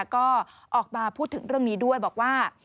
ก็ออกมาพูดถึงเรื่องนี้ด้วยบอกว่า